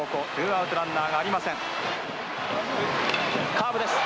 カーブです。